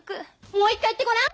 もう一回言ってごらん！